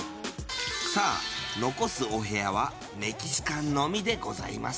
さあ、残すお部屋はメキシカンのみでございます。